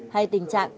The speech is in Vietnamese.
hay tình trạng